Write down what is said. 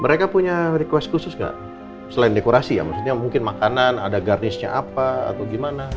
mereka punya request khusus nggak selain dekorasi ya maksudnya mungkin makanan ada garnishnya apa atau gimana